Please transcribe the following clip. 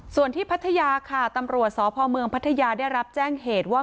ส่วนที่พัทยาค่ะตำรวจสพเมืองพัทยาได้รับแจ้งเหตุว่า